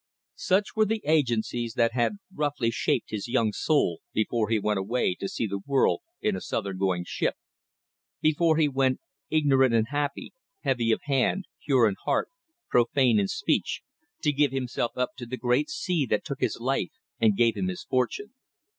Such were the agencies that had roughly shaped his young soul before he went away to see the world in a southern going ship before he went, ignorant and happy, heavy of hand, pure in heart, profane in speech, to give himself up to the great sea that took his life and gave him his fortune.